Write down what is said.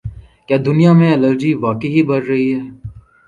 کیا دنیا میں الرجی واقعی بڑھ رہی ہے